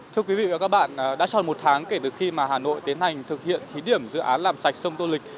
thưa quý vị và các bạn đã tròn một tháng kể từ khi mà hà nội tiến hành thực hiện thí điểm dự án làm sạch sông tô lịch